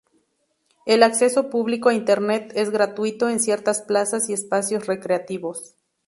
El acceso público a Internet es gratuito en ciertas plazas y espacios recreativos.